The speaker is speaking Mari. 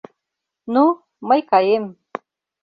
Ну, мый каем.